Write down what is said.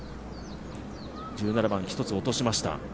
１７番、１つ落としました。